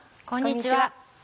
こんにちは。